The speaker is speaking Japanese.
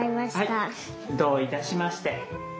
はいどういたしまして。